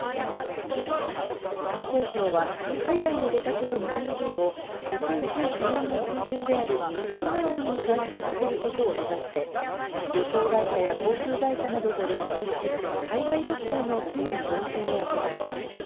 観光庁は、海外に出かける日本人を、２０１９年の水準である２０００万人に回復させることを目指して、旅行会社や航空会社などと連携し、海外旅行の機運醸成を行います。